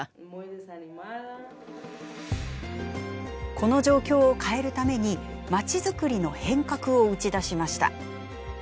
この状況を変えるためにまちづくりの変革を打ち出しました。